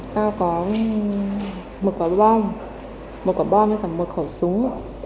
tao có một quả bom một quả bom hay cả một khẩu súng